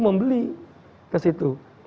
membeli ke situ